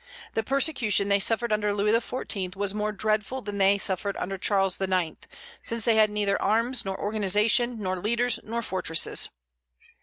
The persecution they suffered under Louis XIV. was more dreadful than that they suffered under Charles IX., since they had neither arms, nor organization, nor leaders, nor fortresses.